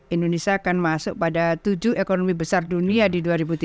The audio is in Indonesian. indonesia akan masuk pada tujuh ekonomi besar dunia di dua ribu tiga puluh